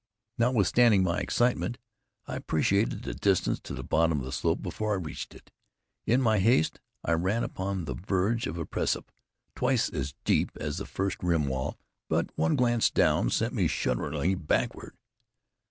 Notwithstanding my excitement, I appreciated the distance to the bottom of the slope before I reached it. In my haste, I ran upon the verge of a precipice twice as deep as the first rim wall, but one glance down sent me shatteringly backward.